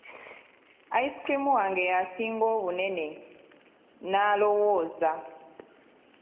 Ice cream wange yasinga obunene, n'alowooza.